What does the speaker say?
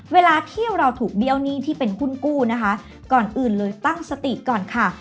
เวลาที่เราถูกเบี้ยวหนี้ที่เป็นหุ้นกู้นะคะก่อนอื่นเลยตั้งสติก่อนค่ะ